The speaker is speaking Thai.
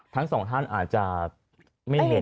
ทั้งสองท่านอาจจะไม่เห็น